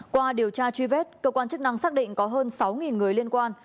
qua điều tra truy vết cơ quan chức năng xác định có hơn sáu người liên quan